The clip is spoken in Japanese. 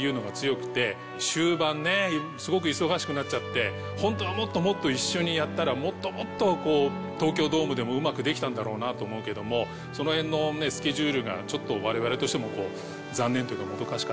終盤ねすごく忙しくなっちゃってホントはもっともっと一緒にやったらもっともっと東京ドームでもうまくできたんだろうなと思うけどもその辺のスケジュールがちょっと我々としても残念というかもどかしかったなっていうか。